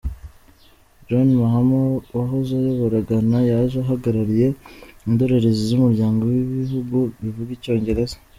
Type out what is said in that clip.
John Mahama wahoze ayobora Ghana yaje ahagarariye indorerezi z’Umuryango w’Ibihugu bivuga Icyongereza.